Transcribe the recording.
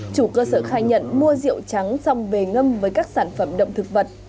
chủ cơ sở khai nhận mua rượu trắng xong về ngâm với các sản phẩm động thực vật